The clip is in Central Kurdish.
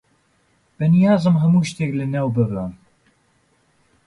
بەنیازم هەموو شتێک لەناو ببەم.